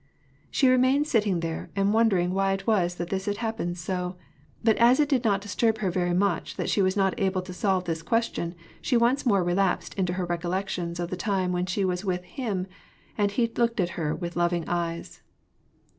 She remained sitting there, and wondering why it was that this had happened so ; but as it did not disturb her very much that she was not able to solve this question, she once more relapsed into her recollections of the time when she was with kim, and he looked %t her with loving eyes.